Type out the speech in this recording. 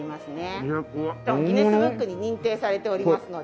『ギネスブック』に認定されておりますので。